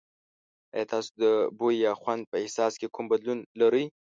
ایا تاسو د بوی یا خوند په احساس کې کوم بدلون لرئ؟